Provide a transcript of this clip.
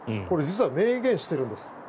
これ実は、明言してるんです。